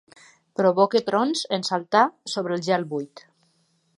Provoca trons en saltar sobre gel buit.